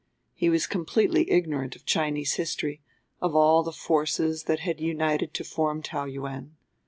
He was completely ignorant of Chinese history, of all the forces that had united to form Taou Yuen.